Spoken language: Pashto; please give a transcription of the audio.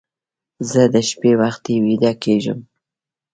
زه د شپې وختي ویده کېږم